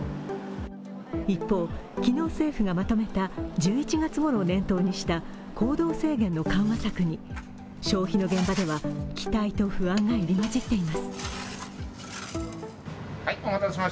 一方、昨日政府がまとめた１１月ごろを念頭にした行動制限の緩和策に消費の現場では期待と不安が入り混じっています。